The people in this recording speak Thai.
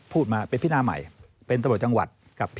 ถูกไหมคะ